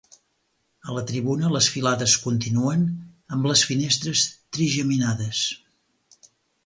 A la tribuna les filades continuen, amb les finestres trigeminades.